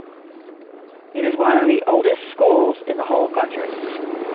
It is one of the oldest schools in the whole country.